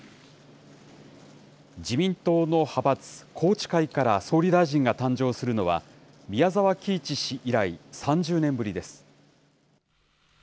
自民党の派閥、宏池会から総理大臣が誕生するのは、宮沢喜一氏以来３０年ぶりです。